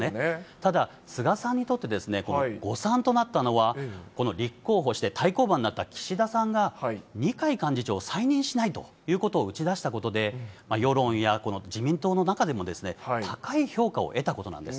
ただ、菅さんにとって、この誤算となったのは、この立候補して対抗馬になった岸田さんが、二階幹事長を再任しないということを打ち出したことで、世論や自民党の中でも、高い評価を得たことなんです。